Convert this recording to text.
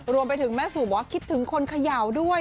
รวมไปถึงแม่สู่บอกว่าคิดถึงคนเขย่าด้วย